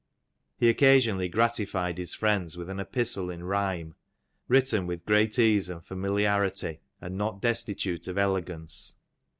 He occasionally gratified his friends with an epistle in ryhme; written with great ease and familiarity, and not destitute of elegance.